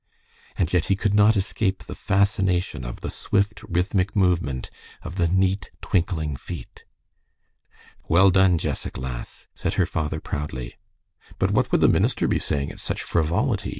And yet he could not escape the fascination of the swift, rhythmic movement of the neat, twinkling feet. "Well done, Jessac, lass," said her father, proudly. "But what would the minister be saying at such frivolity?"